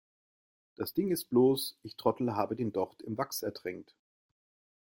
Das Ding ist bloß, ich Trottel habe den Docht im Wachs ertränkt.